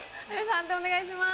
判定お願いします。